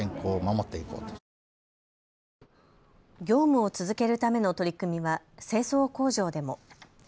業務を続けるための取り組みは清掃工場でも。